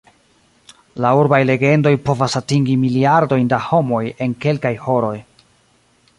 La urbaj legendoj povas atingi miliardojn da homoj en kelkaj horoj.